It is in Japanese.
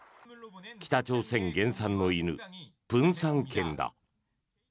北朝鮮原産の犬豊山犬だ。